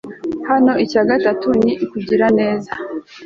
naho icya gatatu ni ukugira neza